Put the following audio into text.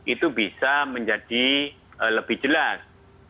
itu bisa menjadi lebih jelas